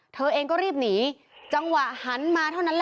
เธอเองก็รีบหนีจังหวะหันมาเท่านั้นแหละ